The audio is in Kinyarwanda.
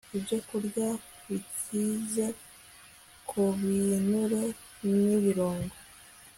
ibyokurya bikize ku binure nibirungo